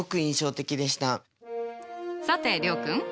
さて諒君。